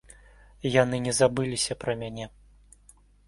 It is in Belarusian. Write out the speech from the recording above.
Яны не забыліся пра мяне.